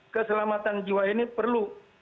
keselamatan jiwa ini perlu